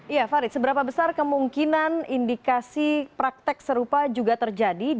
iya farid seberapa besar kemungkinan indikasi praktek serupa juga terjadi